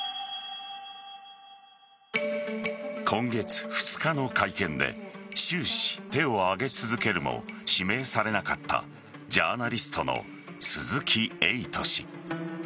今月２日の会見で終始手を挙げ続けるも指名されなかったジャーナリストの鈴木エイト氏。